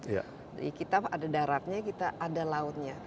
jadi kita ada daratnya kita ada lautnya